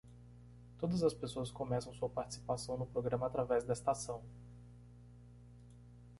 Todas as pessoas começam sua participação no programa através desta ação.